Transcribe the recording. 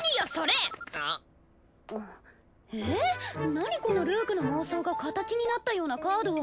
なにこのルークの妄想が形になったようなカードは。